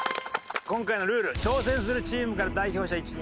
今回のルール挑戦するチームから代表者１名を選びます。